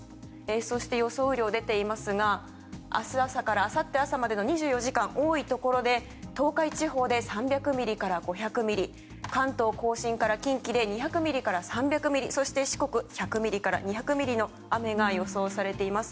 そして、予想雨量は明日朝からあさってまでの多いところで東海地方で３００ミリから５００ミリ関東・甲信から近畿で２００ミリから３００ミリそして、四国１００ミリから２００ミリの雨が予想されています。